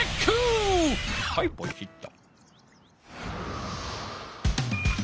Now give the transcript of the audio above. はいポチッと。